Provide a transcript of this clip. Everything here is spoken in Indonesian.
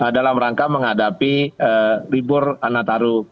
dalam rangka menghadapi libur nataru